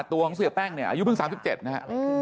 ตัวของเสียแป้งเนี่ยอายุเพิ่ง๓๗นะฮะ